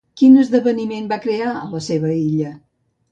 Quin esdeveniment va crear a la seva illa?